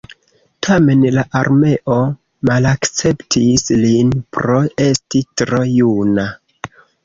Tamen la armeo malakceptis lin pro esti tro juna.